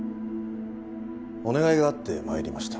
お願いがあって参りました。